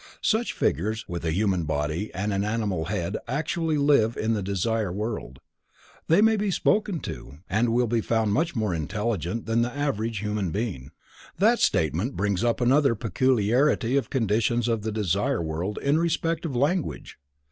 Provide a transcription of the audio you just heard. Such figures with a human body and an animal head actually live in the desire world. They may be spoken to, and will be found much more intelligent than the average human being. That statement brings up another peculiarity of conditions in the Desire World in respect of language.